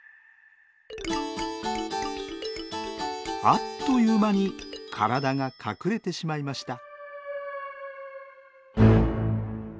あっという間に体が隠れてしまいました。